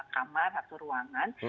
kamar atau ruangan